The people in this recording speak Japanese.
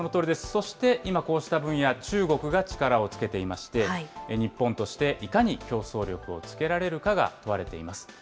そして今こうした分野、中国が力をつけていまして、日本としていかに競争力をつけられるかが問われています。